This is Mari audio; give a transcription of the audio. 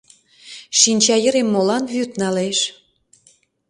Шинча йырем молан вӱд налеш?